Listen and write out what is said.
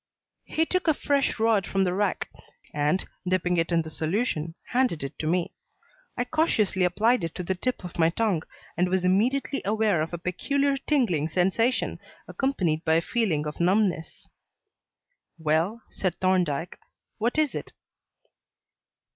He took a fresh rod from the rack, and, dipping it in the solution, handed it to me. I cautiously applied it to the tip of my tongue and was immediately aware of a peculiar tingling sensation accompanied by a feeling of numbness. "Well," said Thorndyke; "what is it?"